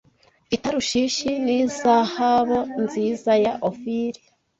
i Tarushishi n’izahabo nziza ya Ofiri